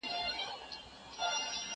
ژر سه ووهه زموږ خان ته ملاقونه